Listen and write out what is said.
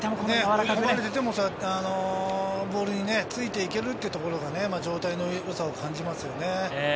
追い込まれてもボールについていけるっていうのが状態のよさを感じますよね。